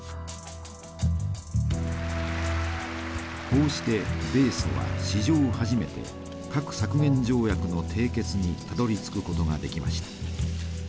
こうして米ソは史上初めて核削減条約の締結にたどりつくことができました。